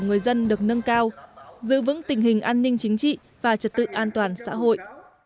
người dân được nâng cao giữ vững tình hình an ninh chính trị và trật tự an toàn xã hội